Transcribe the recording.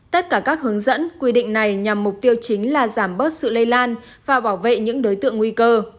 tất cả các hướng dẫn quy định này nhằm mục tiêu chính là giảm bớt sự lây lan và bảo vệ những đối tượng nguy cơ